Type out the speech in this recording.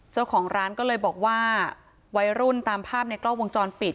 เจ้าของร้านก็เลยบอกว่าวัยรุ่นตามภาพในกล้องวงจรปิด